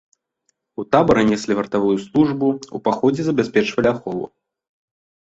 У табары неслі вартавую службу, у паходзе забяспечвалі ахову.